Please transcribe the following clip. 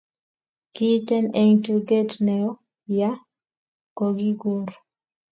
kiiten eng' tugeet neoo ya kokikur